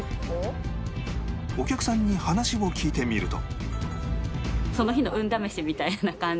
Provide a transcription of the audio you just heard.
お客さんに話を聞いてみると